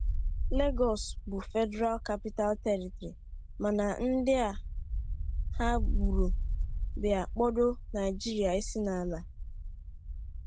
Legọs bụ ‘Federal Capital Territory.’ Mana ndị a ha gburu bịa kpodo Naịjirịa isi n’ala